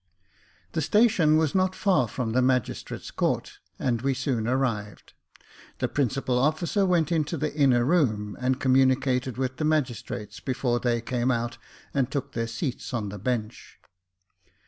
The station was not far from the magistrate's office, and we soon arrived. The principal officer went into the inner room, and communicated with the magistrates before they came out and took their seats on the bench.